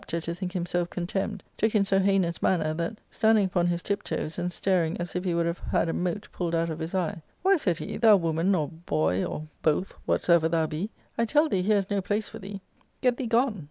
ness, and therefore the apter to think himself contemned, took in so heinous manner that, standing upon his tiptoes, and staring as if he would have had a mote pulled out of his eye, * Why,' said he, * thou woman, or boy, or both, whatsor ever thou be, I tell thee here is no place for thee ; get thee gone.